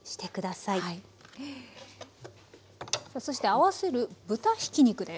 さあそして合わせる豚ひき肉です。